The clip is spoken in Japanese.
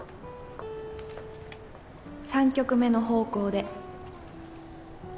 「三曲目の方向で」。